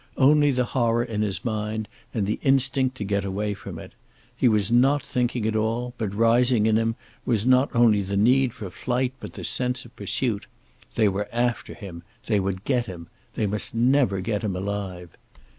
Only the horror in his mind, and the instinct to get away from it. He was not thinking at all, but rising in him was not only the need for flight, but the sense of pursuit. They were after him. They would get him. They must never get him alive.